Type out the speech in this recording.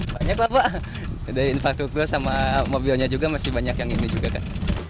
banyak lah pak ada infrastruktur sama mobilnya juga masih banyak yang ini juga kan